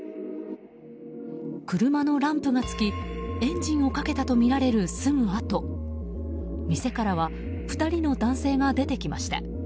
車のランプがつきエンジンをかけたとみられるすぐあと店からは２人の男性が出てきました。